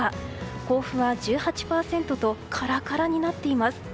甲府は１８％とカラカラになっています。